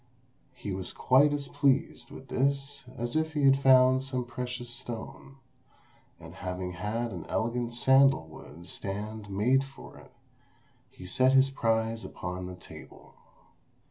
He was quite as pleased with this as if he had found some precious stone; and having had an elegant sandal wood stand made for it, he set his prize upon the table.